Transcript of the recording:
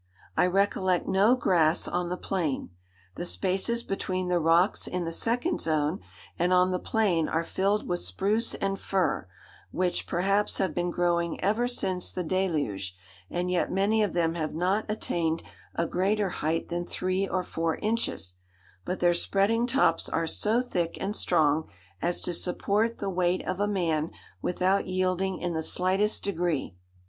"I recollect no grass on the plain. The spaces between the rocks in the second zone and on the plain are filled with spruce and fir, which, perhaps, have been growing ever since the deluge; and yet many of them have not attained a greater height than three or four inches; but their spreading tops are so thick and strong as to support the weight of a man without yielding in the slightest degree.